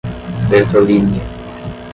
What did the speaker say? Bertolínia